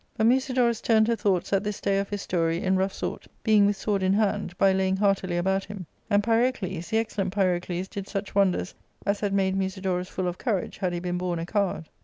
But Musidorus turned her thoughts at this stay of his story in rough sort, being with sword in hand, by laying . heartily about him ; and Pyrocles, the excellent Pyrocles did such wonders as had made Musidorus full of courage had he been born a coward.